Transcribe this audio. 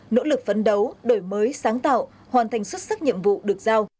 nỗ lực phấn đấu đổi mới sáng tạo hoàn thành xuất sắc nhiệm vụ được giao